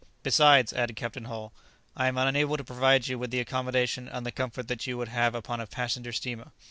"Besides," added Captain Hull, "I am unable to provide you with the accommodation and the comfort that you would have upon a passenger steamer."